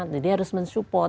jadi harus mensupport